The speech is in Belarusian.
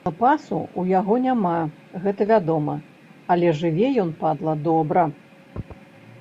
Запасу ў яго няма, гэта вядома, але жыве ён, падла, добра.